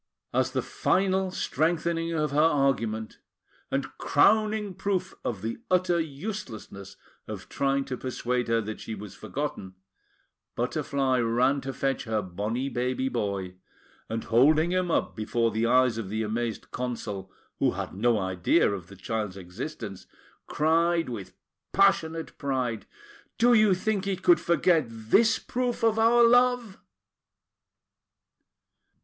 As the final strengthening of her argument, and crowning proof of the utter uselessness of trying to persuade her that she was forgotten, Butterfly ran to fetch her bonny baby boy, and, holding him up before the eyes of the amazed Consul, who had no idea of the child's existence, cried with passionate pride: "Do you think he could forget this proof of our love?"